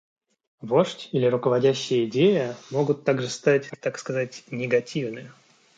Вождь или руководящая идея могут также стать, так сказать, негативны.